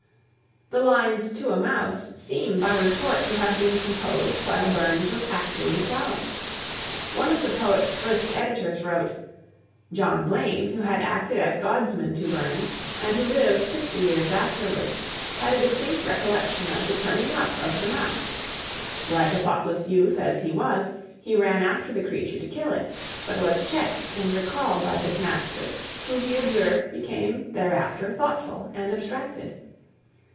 The lines "To a Mouse" seem by report to have been composed while Burns was actually plowing. One of the poet's first editors wrote: "John Blane, who had acted as gaudsman to Burns, and who lived sixty years afterward, had a distinct recollection of the turning up of the mouse. Like a thoughtless youth as he was, he ran after the creature to kill it, but was checked and recalled by his master, who he observed became thereafter thoughtful and abstracted.